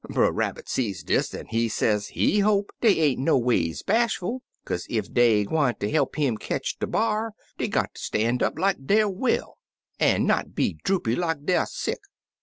Brer Rabbit see dis, an' he say he hope dey ain't noways bashful, kaze ef dey gwineter he'p him ketch de b'ar, dey got ter stan' up like deyer well an' not be droopy like deyer sick.